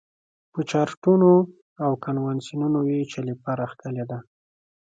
پر چارټرونو او کنونسینونو یې چلیپا راښکلې ده.